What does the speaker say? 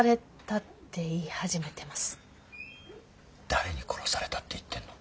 誰に殺されたって言ってんの？